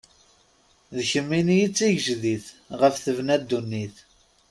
D kemmini i d tigejdit, ɣef tebna ddunit.